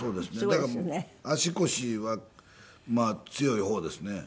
だから足腰はまあ強い方ですね。